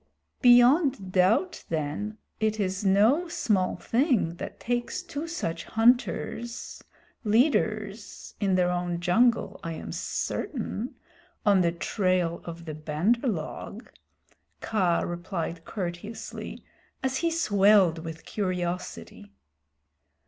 "Beyond doubt then it is no small thing that takes two such hunters leaders in their own jungle I am certain on the trail of the Bandar log," Kaa replied courteously, as he swelled with curiosity.